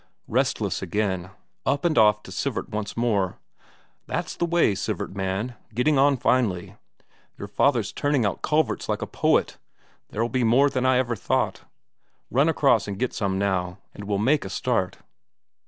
Restless again up and off to Sivert once more. "That's the way, Sivert man; getting on finely. Your father's turning out culverts like a poet, there'll be more than I ever thought. Run across and get some now, and we'll make a start."